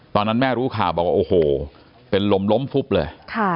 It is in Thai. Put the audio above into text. ตอนนั้นแม่รู้ข่าวบอกว่าโอ้โหเป็นลมล้มฟุบเลย